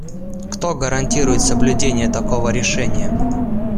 Кто гарантирует соблюдение такого решения?